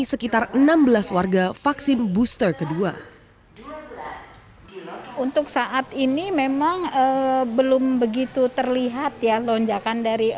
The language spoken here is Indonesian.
sekitar enam belas warga vaksin booster kedua untuk saat ini memang belum begitu terlihat ya lonjakan dari